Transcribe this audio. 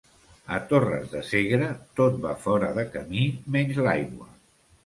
A Torres de Segre, tot va fora de camí menys l'aigua.